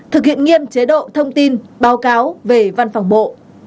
thực hiện nghiêm chế độ thông tin báo cáo về văn phòng bộ